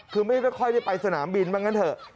คือไม่ได้ค่อยไปสถานบินไว้อย่างนั้นเถอะ